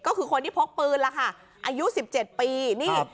ก็คือคนที่พกปืนล่ะค่ะอายุ๑๗ปีนี่